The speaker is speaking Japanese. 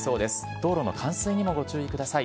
道路の冠水にもご注意ください。